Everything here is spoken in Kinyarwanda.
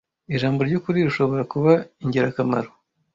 Ijambo ryukuri rishobora kuba ingirakamaro,